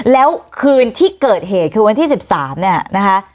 แล้วคืนที่เกิดเหตุคือวันที่๑๓เนี่ยนะคะ